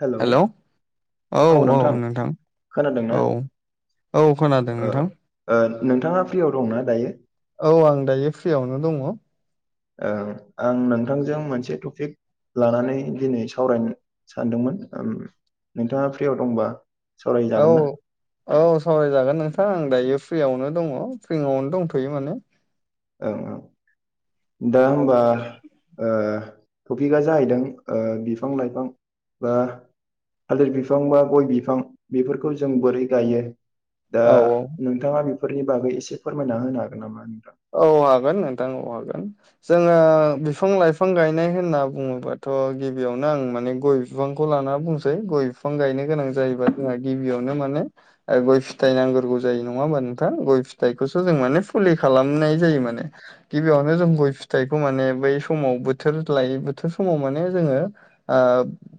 हेल' hello औ औ नोंथां खोनादोंना औ औ खोनादों ओ नोंथां नोंथाङा फ्रियाव दंना दायो औ आं दायो फ्रियावनो दङ ओं आं नोंथांजों मोनसे टपिक लानानै दिनै सावरायनो सानदोंमोन नोंथाङा फ्रियाव दंबा औ सावरायजागोन ना औ सावरायजागोन नोंथां आं दायो फ्रियावनो दङ फ्रिआवनो दंथ'यो माने ओं औं दा होमबा टपिकआ जाहैदों बिफां लाइफां बा थालिर बिफां बा गय बिफां बेफोरखौ जों बोरै गायो दा औ औ नोंथाङा बेफोरनि बागै एसे फोरमायना होनो हागोन नामा नोंथां औ हागोन नोंथां औ हागोन जोङो बिफां लाइफां गायनाय होनना बुङोबाथ' गिबियावनो आं माने गय बिफांखौ लाना बुंसै गय बिफां गायनो गोनां जायोबा जोंहा गिबियावनो माने गय फिथाइ नांग्रोगौ जायो नङा होमबा नोंथां गय फिथाइखौसो जों माने फुलि खालामनाय जायो माने गिबियावनो जों गय फिथाइखौ माने बै समाव बोथोर लाय बोथोर समाव माने जोङो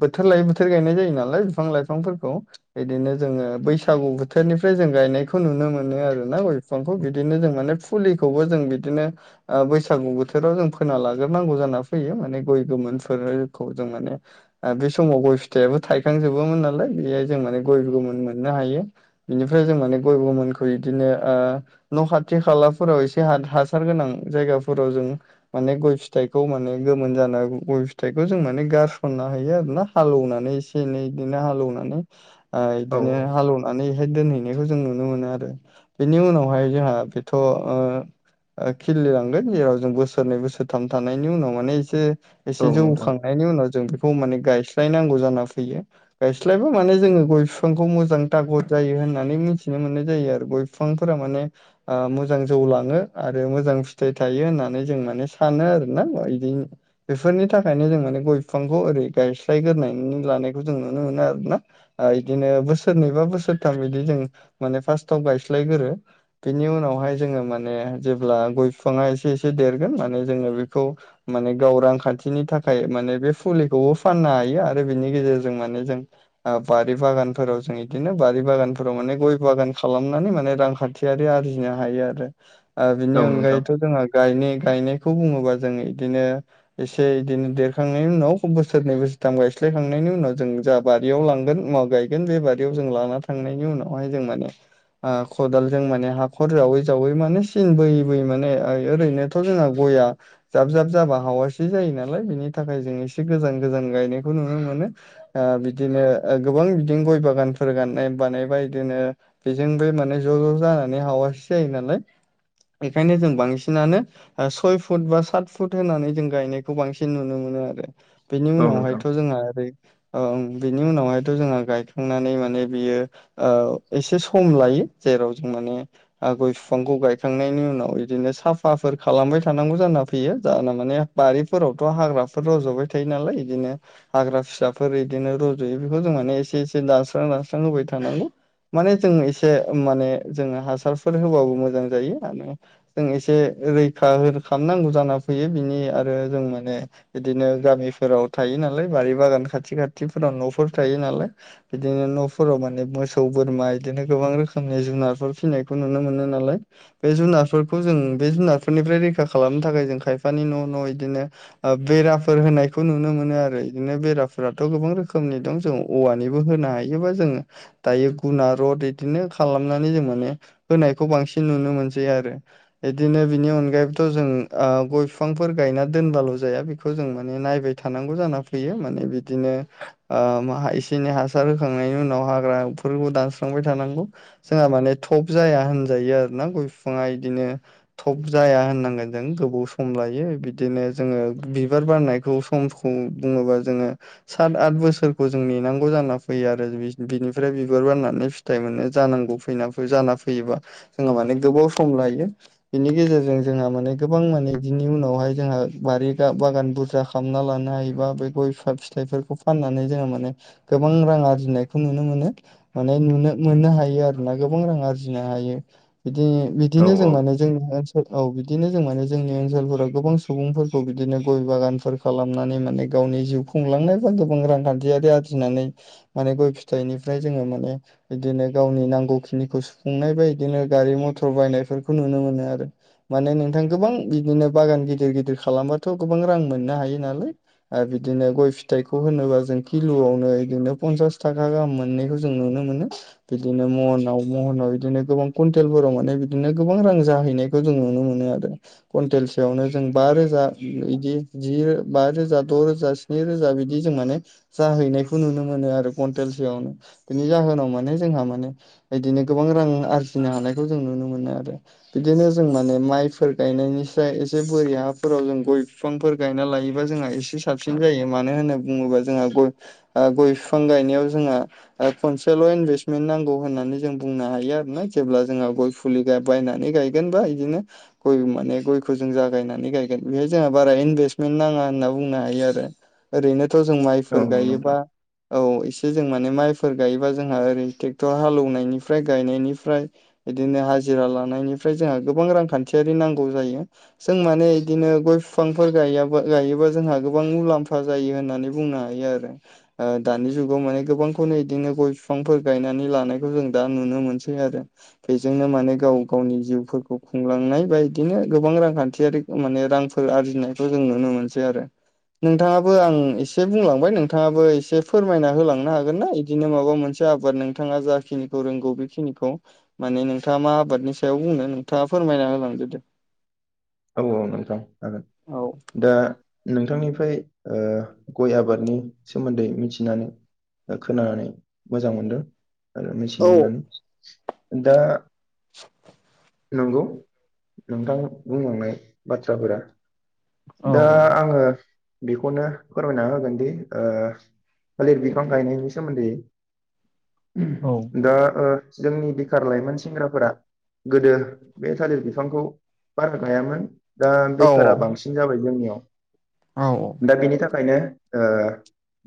बोथोर लायै बोथोर गायनाय जायो नालाय बिफां लाइफांफोरखौ बिदिनो जोङो बैसागु बोथोरनिफ्राय जों गायनायखौ नुनो मोनो आरोना गय बिफांखौ बिदिनो जों माने फुलिखौबो जों बिदिनो बैसागु बोथोराव जों फोना लाग्रोनांगौ जाना फैयो माने गय गोमोनफोरखौ जों माने बे समाव गय फिथाइाबो थायखांजोबोमोन नालाय बेहाय जों माने गय गोमोन मोननो हायो बिनिफ्राय जों माने गय गोमोन खौ बिदिनो न' खाथि खाला फोराव एसे ह हासार गोनां जायगाफोराव जों माने गय फिथाइखौ माने गोमोन जानो गय फिथाइखौ जों माने गारसननो होयो आरो ना हालौवनानै एसे एनै बिदिनो हालौवनानै औ इदिनो हालौनानै नानैहाय दोनहैनायखौ जों नुनो मोनो आरो बेनि उनावहाय जोंहा बेथ' खिलिलांगोन जेराव जों बोसोरनै बोसोरथाम थानायनि उनाव माने एसे औ एसे जौ नोंथां खांनायनि उनाव जों बेखौ माने गायस्लायनांगौ जाना फैयो गायस्लायबो माने जोङो गय बिफांखौ मोजां थागत जायो होननानै मिथिनो मोननाय जायो आरो गय फिफांफोरा माने ओ मो मोजां जौ लांङो आरो मोजां फिथाइ थायो होननानै जों माने सानो आरो ना बिदिनो बेफोरनि थाखायनो जों माने गय बिफांखौ ओरै गायस्लायग्रोनाय लानायखौ जों नुनो मोनो आरो ना आ इदिनो बोसोरनै बा बोसोरथाम इदिनो जों माने फार्स्टआव गायस्लायगोरो बिनि उनावहाय जोंङो माने जेब्ला गय फिफांङा एसे एसे देरगोन माने जोङो बेखौ माने गाव रांखान्थिनि थाखाय माने बे फुलिखौबो फाननो हायो आरो बेनि गेजेरजों माने जों बारि बागानफोराव जों बिदिनो बारि बागानफोराव माने गय बागान खालामनानै माने रांखान्थि आरि आरजिनो हायो आरो बिनि औ नोंथां अनगायैथ' जोंहा गाय गायनायखौ बुङोबा जों इदिनो एसे इदिनो देरखांनायनि उनाव बोसोरनै बोसोरथाम गायस्लायखांनायनि उनाव जों जा बारियाव लांगोन मा गायगोन बे बारियाव जों लाना थांनायनि उनावहाय जों माने खदालजों माने हाखर जावै जावै माने सिन बोयै बोयै माने ओरैनोथ' जोंना गया जाब जाब जाबा हावासि जायो नालाय बिनि थाखाय जों एसे गोजान गोजान गायनायखौ नुनो मोनो। ओ बिदिनो गोबां बिदिनो गय बागानफोर गायनाय बानायबाय बिदिनो बेजोंबो माने ज' ज' जानानै हावासि जायो नालाय बेखायनो जों बांसिनानो ओ सय फुट बा सात फुट होनानै जों गायनायखौ बांसिन नुनो मोनो आरो। बेनि औ नोंथां उनावहायथ' जोंहा ओरै ओ बिनि उनावहायथ' जोंहा गायखांनानै माने बियो ओ एसे सम लायो जेराव जों माने ओ गय बिफांखौ गायखांनायनि उनाव बिदिनो साफाफोर खालामबाय थानांगौ जाना फैयो जाना माने बारिफोरावथ' हाग्राफोर रज'बाय थायो नालाय इदिनो हाग्रा फिसाफोर इदिनो रज'यो बेखौ जों माने एसे एसे दानस्रां दानस्रां होबाय थानांगौ। माने जों एसे माने जोंङो हासारफोर होबाबो मोजां जायो आरो। जों एसे रैखा खालामनांगौ जाना फैयो बिनि आरो जों माने बिदिनो गामिफोराव थायो नालाय बारि बागान खाथि खाथिफोराव न'फोर थायो नालाय बिदिनो न'फोराव माने मोसौ बोरमा इदिनो गोबां रोखोमनि जुनारफोर फिनाय खौ नुनो मोनो नालाय बे जुनारफोरखौ जों बे जुनारफोरनिफ्राय रैखा खालामनो थाखाय जों खायफानि न' न' इदिनो ओ बेराफोर होनायखौ नुनो मोनो आरो बिदिनो बेराफोराथ' गोबां रोखोमनि दं जों औवानिबो होनो हायोबा जोंङो दायो गुना रद बिदिनो खालामनानै जों माने होनायखौ बांसिन नुनो मोनसै आरो इदिनो बिनि अनगायैबोथ' जों ओ गय बिफांफोर गायना दोनबाल' जाया बेखौ जों माने नायबाय थानांगौ जाना फैयो माने बिदिनो ओ मा इसे एनै हासार होखांनायनि उनाव हाग्रा फोरखौ दानस्रांबाय थानांगौ जोंहा माने थुप जाया होनजायो आरोना गय फिफांङा इदिनो थब जाया होननांगोन जों गोबाव सम लायो बिदिनो जोंङो बिबार बारनायखौ समखौ बुंङोबा जोंङो सात आत बोसोरखौ जों नेनांगौ जाना फैयो आरो बिनिफ्राय बिबार बारनानै फि थाइ मोनो जानांगौ फैना जाना फैयोबा जोंहा माने गोबाव सम लायो। बिनि गेजेरजों जोंहा माने गोबां माने बिनि उनावहाय जोंहा बारि बागान बुथुम बुरजा खालामना लानो हायोबा बे गय फिथायफोरखौ फाननानै जोंङो माने गोबां रां आरजिनायखौ नुनो मोनो माने नुनो मोननो हायो आरो ना गोबां रां आरजि जिनो हायो बिदिनो औ बिदिनो जों औ माने जोंनि ओनसोलाव बिदिनो जों माने जोंनि ओनसोलफोराव गोबां सुबुंफोरखौ बिदिनो गय बागानफोरखौ खालामनानै माने गावनि जिउ खुंलांनाय बा गोबां रांखान्थियारि आरजिनानै माने गय फिथाइनिफ्राय जोंङो माने बिदिनो गावनि नांगौ खिनिखौ सु नुनाय बायदिनो गारि मथर बायनायफोरखौ नुनो मोनो आरो। माने नोंथां गोबां बिदिनो बागान गिदिर गिदिर खालामबाथ' गोबां रां मोननो हायो नालाय आरो बिदिनो गय फिथाइखौ होनोबा जों किल'आवनो बिदिनो फनसास थाखा गाहाम मोननाय जों नुनो मोनो बिदिनो महनाव महनाव बिदिनो गोबां कुन्टेलफोराव माने बिदिनो गोबां रां जाहैनायखौ जों नुनो मोनो आरो कुन्टेल सोआवनो जों बा रोजा बिदि जि बा रोजा द' रोजासो स्नि रोजा बिदि जों माने जाहैनायखौ नुनो मोनो आरो कुन्टेलसोआवनो बिनि जाहोनाव माने जोंहा माने बिदिनो गोबां रां आरजिनो हानायखौ जों नुनो मोनो आरो बिदिनो जों माने माइफोर गायनायनिफ्राय एसे बोरि हाफोराव जों गय फिफांफोर गायना लायोबा जोंहा एसे साबसिन जायो मानो होनना बुंङोब्ला जोंहा गय ओ गय बिफां गायनायाव जोंहा ओ खनसेल' इनभेस्मेन्ट नांगौ होननानै जों बुंनो हायो आरो। जेब्ला जोंङो गय फुलि बायनानै गायगोनबा इदिनो गय माने गयखौ जों जागायनानै गायगोन बेहाय जोंहा बारा इनभेस्टमेन्ट नांङा होनना बुंनो हायो आरो। ओरैनोथ' जों औ माइफोर नोंथां गायोबा औ एसे जों माने माइफोर गायोबा जोंहा ओरै ट्रेक्टर हालेवनायनिफ्राय गायनायनि फ्राय बिदिनो हाजिरा लानायनिफ्राय जोंहा गोबां रांखान्थियारि नांगौ जायो जों माने बिदिनो गय बिफांफोर गायाबा गायोबा जोंहा गोबां मुलाम्फा जायो होननानै बुंनो हायो आरो दानि जुगाव माने गोबांखौनो इदिनो गय बिफांफोर गायनानै लानायखौ जों दा नुनो मोनसै आरो बेजोंनो माने गाव गावनि जिउफोरखौ खुंलांनाय बाइदिनो गोबां रांखान्थियारि माने रांफोर आरजिनायखौ जों नुनो मोनसै आरो नोंथांङाबो आं एसे बुंलांबाय नोंथांङाबो एसे फोरमायना होलांनो हागोन ना बिदिनो माबा मोनसे फसा आबाद नोंथांङा जाखिनिखौ रोंगौ बेखिनिखौ माने नोंथांङा मा आबादनि सायाव बुंनो नोंथांङा फोरमायना लांदो दे औ औ नोंथां हागोन औ दा नोंथां निफ्राय गय आबादनि सोमोन्दै मिथिनानै खोनानानै मोजां मोनदों आरो मिथिनो औ मोननानै दा नंगौ नोंथां बुंलांनाय बाथ्राफोरा औ दा आंङो बेखौनो फोरमायना होगोनदि थालिर बिफां गायनायनि सोमोन्दै औ दा जोंनि बेखार लाइमोन सेंग्राफोरा गोदो बे थालिर बिफांखौ बारा गायामोन दा औ बेखारा बांसिन जाबाय जोंनियाव औ दा बिनि थाखायनो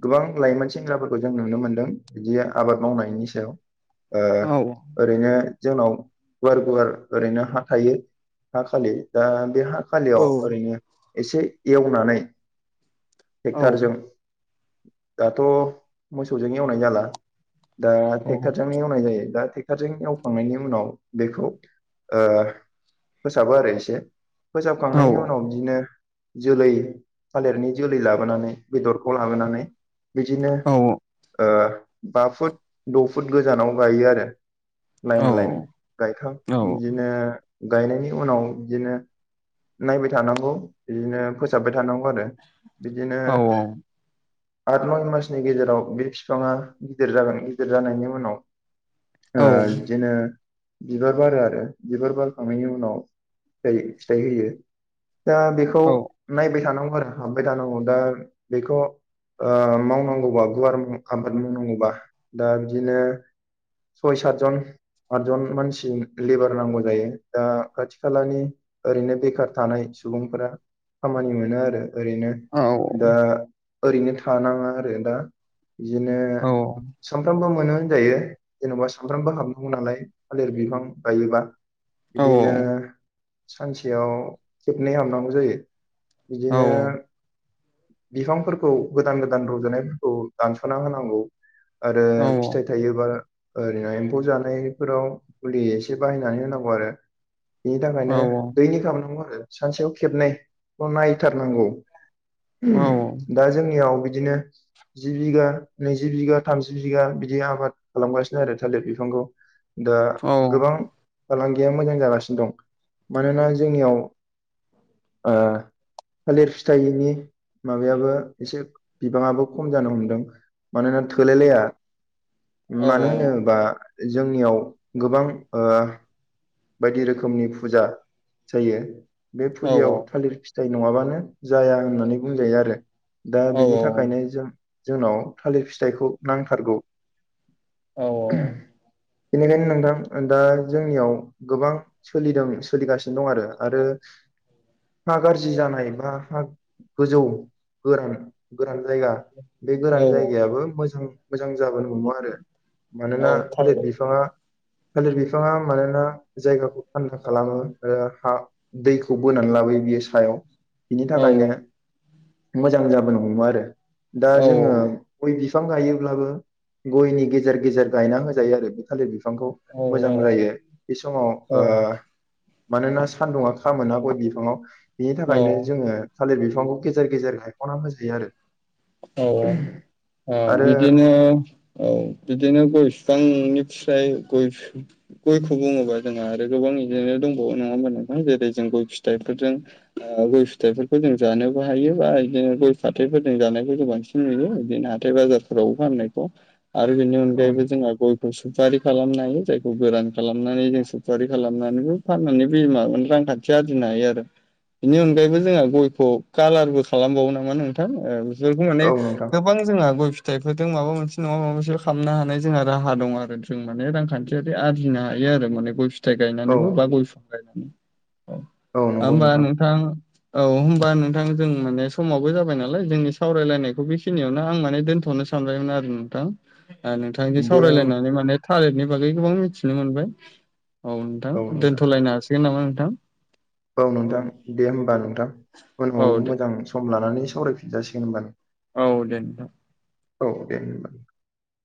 गोबां लाइमोन सेंग्राफोरखौ जों नुनो मोनदों बिदि आबाद मावनायनि सायाव औ ओरैनो जोंनाव गुवार गुवार ओरैनो हा थायो हा खालि दा बे हा औ खालियाव ओरैनो एसे एवनानै औ टेक्टरजों दाथ मोसौजों एवनाय जाला दा टेक्टर जोंनो एवनाय जायो दा टेक्टर जों एवखांनायनि उनाव बेखौ फोसाबो आरो एसे औ फोसाबखांनायनि उनाव बिदिनो जोलै थालिरनि जोलै लाबोनानै बेदरखौ लाबोनानै बिदिनो औ बा फुट द फुट गोजानाव गायो आरो लाइन लाइन औ गायखां बिदिनो गायनायनि उनाव बिदिनो नायबाय थानांगौ बिदिनो फोसाबबाय थानांगौ आरो बिदिनो आठ नय मासनि गेजेराव बे बिफांङा गिदिर जागोन गिदिर जानायनि उनाव बिदिनो बिबार बारो आरो बिबार बारखांनायनि उनाव फिथाइ होयो दा बेखौ नायबाय थानांगौ आरो हाबबाय थानांगौ दा बेखौ ओ मावनांगौबा गुवार आबाद मावनांगौबा दा बिदिनो सय सातजन आतजन मानसि लेबार नांगौ जायो दा खाथि खालानि ओरैनो बेखार थानाय सुबुंफोरा खामानि मोनो आरो ओरैनो दा ओरैनो थानाङा आरो दा बिदिनो सानफ्रामबो मोनो होनजायो जेनबा सानफ्रामबो हाबनांगौ नालाय थालिर बिफां गायोबा बिदिनो सानसेयाव खेबनै हाबनांगौ जायो बिदिनो बिफांफोरखौ गोदान गोदान रजनाय फोरखौ दानसना होनांगौ आरो फिथाइ थायोबा ओरैनो एम्फौ जानायफोराव मुलि एसे बाहायनानै होनांगौ आरो बिनि थाखायनो दैलि हाबनांगौ आरो सानसेयाव खेबनैखौ नायथारनांगौ दा जोंनियाव बिदिनो जि बिगा नैजि बिगा थामजि बिगा बिदि आबाद खालामगासिनो आरो थालिर बिफांखौ दा गोबां फालांगिया मोजां जागासिनो दं मानोना जोंनियाव ओ थालिर फिथाइनि माबायाबो एसे बिबाङाबो खम जानो हमदों मानोना थोलायलाया मानो होनोबा जोंनियाव गोबां ओ बायदि रोखोमनि फुजा जायो बे औ फुजायाव थालिर फि जाय नङाबानो जाया होननानै बुंजायो आरो दा औ बिनि औ थाखायनो जों जोंनाव थालिर फिथाइखौ नांथारगौ औ बेनिखायनो नोंथां दा जोंनियाव गोबां सोलिदों सोलिगासिनो दं आरो आरो हा गारजि जानाय ब्रा हा गोजौ गोरान गोरान जायगा बे औ गोरान जायगायाबो मोजां मोजां जाबोनो हमो आरो मानोना औ थारैनो थालिथ बिफाङा थालिर बिफाङा मानोना जायगाखौ थान्दा खालामो ओ हा दैखौ बोनानै लाबोयो बियो सायाव बिनि औ थाखायनो मोजां जाबोनो हमो आरो दा थारैनो औ जोङो गय फां गायोब्लाबो गयनि गेजेर गेजेर गायना होजायो आरो बे थालिर बिफांखौ औ मोजां जायो [unintelligible] ओ औ मानोना सान्दुंङा खामोना गय बिफाङाव बि थाखायनो औ जोङो थालिर बिफांखौ गेजेर गेजेर गायखना होजायो आरो औ औ ओ आरो बिदिनो औ बिदिनो गय बिफांनि [unintelligible] गय गयखौ बुङोबा जोंहा आरो गोबां बिदिनो दंबावो नङा होमबा नोंथां जेरै जों गय फिथाइफोरजों आ गय फिथाइफोरखौ जों जानोबो हायो बा बिदिनो गय फाथैफोरजों जानाय गयखौ बांसिन नुयो बिदिनो हाथाय बाजारफोराव फाननायखौ आरो बेनि अनगायैबो औ जोंहा गय गय सुफारि खालामनो हायो जायखौ गोरान खालामनानै जों सुफारि खालामनानैबो फाननानै बे [unintelligible] रां [unintelligible] [unintelligible] हायो आरो बिनि अनगायैबो जोंहा गयखौ कालारबो खालामबावो नामा नोंथां ओ [unintelligible] बुंनानै औ नोंथां गोबां जोंहा गय फिथाइफोरजों माबा मोनसे नङा माबा मोनसे खालामनो हानाय जोंहा राहा दं आरो जों माने रांखान जेदे आरजिनो हायो आरो माने गय फि थाइ औ गायनानैबो बा गय [unintelligible] औ नंगौ होमबा नोंथां औ होमबा नोंथां जों माने समावबो जाबाय नालाय जोंनि सावरायलायनायखौ बेखिनियावनो आं माने दोनथ'नो सानबायमोन आरो नोंथां आ नोंथांजों दे औ सावरायलायनानै माने थालिरनि बागै गोबां मिथिनो मोनबाय औ नोंथां दोन्थ'लायनो हासिगोन नामा नोंथां? औ नोंथां दे होमबा नोंथां औ उनाव दे मोजां सम लानानै सावराय फिनजासिगोन होमबा औ दे नोंथां औ दे होनबा